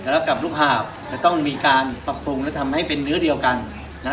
แล้วกับลูกหาบต้องมีการปรับปรุงจะเป็นเนื้อเดียวกัน